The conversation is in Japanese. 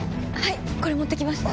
これ持ってきました。